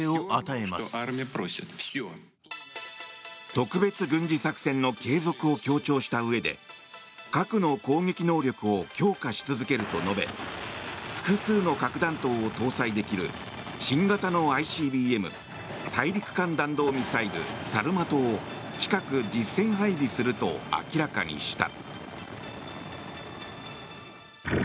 特別軍事作戦の継続を強調したうえで核の攻撃能力を強化し続けると述べ複数の核弾頭を搭載できる新型のＩＣＢＭ・大陸間弾道ミサイルサルマトを近く実戦配備すると明らかにした。